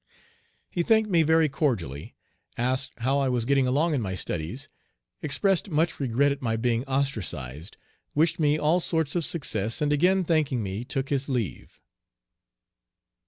He thanked me very cordially, asked how I was getting along in my studies, expressed much regret at my being ostracized, wished me all sorts of success, and again thanking me took his leave.